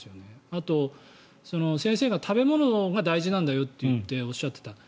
あと、先生が食べ物が大事なんだよとおっしゃっていた。